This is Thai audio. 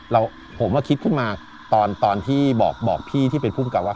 เราผมก็คิดขึ้นมาตอนที่บอกพี่ที่เป็นผู้กับว่า